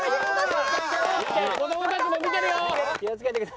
子供たちも見てるよ！